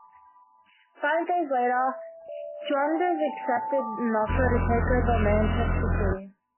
Five days later, Saunders accepted an offer to take over at Manchester City.